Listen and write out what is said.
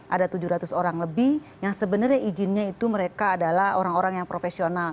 ada tujuh ratus orang lebih yang sebenarnya izinnya itu mereka adalah orang orang yang profesional